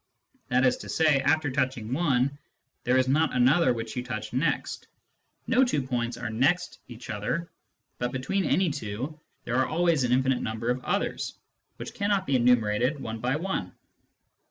That is to say, after touching one, there is not another which you touch next : no two points are next each other, but between any two there are always an infinite number of others, which cannot be enumerated one by one.